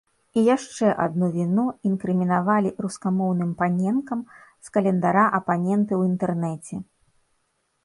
І яшчэ адну віну інкрымінавалі рускамоўным паненкам з календара апаненты ў інтэрнэце.